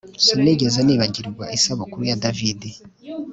Sinigeze nibagirwa isabukuru ya David